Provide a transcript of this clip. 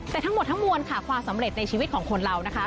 แต่ทั้งหมดทั้งมวลค่ะความสำเร็จในชีวิตของคนเรานะคะ